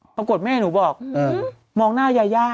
ปรากฏแม่หนูบอกมองหน้ายาย่า